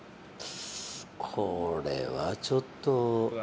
これはちょっと。